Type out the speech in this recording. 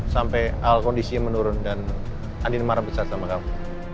sampai kondisinya menurun dan adil marah besar sama kamu